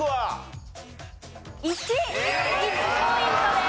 １。１ポイントです。